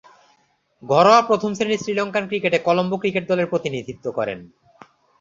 ঘরোয়া প্রথম-শ্রেণীর শ্রীলঙ্কান ক্রিকেটে কলম্বো ক্রিকেট দলের প্রতিনিধিত্ব করেন।